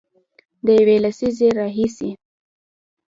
د یوې لسیزې راهیسې